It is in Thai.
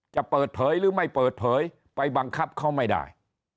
จะเปิดเผยหรือไม่เปิดเผยไปบังคับเขาไม่ได้